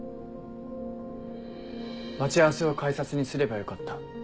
待ち合わせを改札にすればよかった。